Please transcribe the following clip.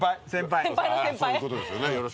そういうことですよね。